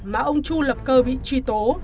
mà ông chu lập cơ bị truy tố